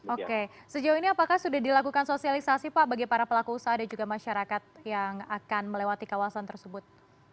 oke sejauh ini apakah sudah dilakukan sosialisasi pak bagi para pelaku usaha dan juga masyarakat yang akan melewati kawasan tersebut